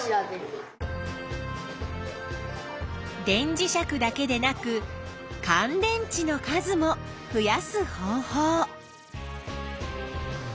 電磁石だけでなくかん電池の数も増やす方法。